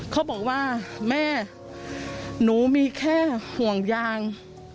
เขาบอกว่าแม่หนูมีแค่ห่วงยาง